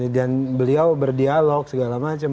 dan beliau berdialog segala macam